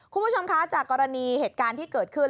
คุณผู้ชมคะจากกรณีเหตุการณ์ที่เกิดขึ้น